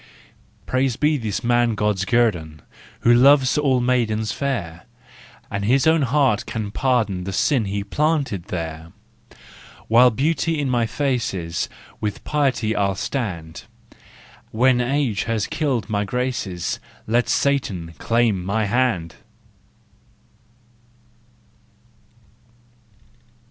Praise be this man God's guerdon, Who loves all maidens fair, And his own heart can pardon The sin he planted there. 362 THE JOYFUL WISDOM While beauty in my face is, With piety I'll stand, When age has killed my graces, Let Satan claim my hand!